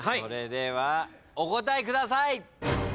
それではお答えください。